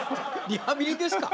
リハビリですか？